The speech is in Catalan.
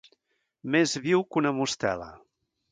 Més viu que una mostela.